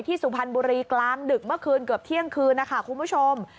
สุพรรณบุรีกลางดึกเมื่อคืนเกือบเที่ยงคืนนะคะคุณผู้ชม